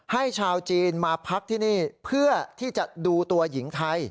ชาวจีนมาพักที่นี่เพื่อที่จะดูตัวหญิงไทย